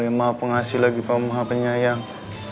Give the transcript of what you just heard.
yang maha pengasih lagi yang maha penyayang